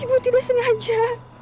ibu tidak sengaja